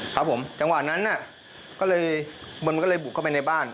ครับผมจังหวะนั้นน่ะก็เลยมันก็เลยบุกเข้าไปในบ้าน